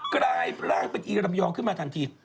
กลายร่างเป็นอีรำยองขึ้นมาทันที